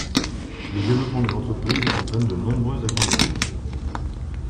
Le développement de l’entreprise entraîne de nombreux agrandissements.